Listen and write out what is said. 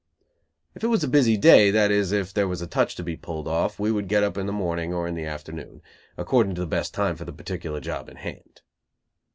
If it was a busy day, that is, if there was a touch to be pulled off, we would get up in the morning or the afternoon, according to the best time for the particular job in hand.